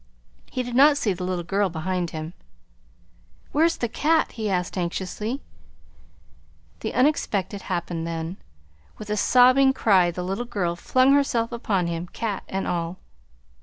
He did not see the little girl behind him. "Where's the cat?" he asked anxiously. The unexpected happened then. With a sobbing cry the little girl flung herself upon him, cat and all.